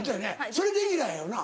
それレギュラーやよな？